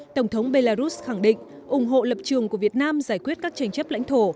tổng thống belarus khẳng định ủng hộ lập trường của việt nam giải quyết các tranh chấp lãnh thổ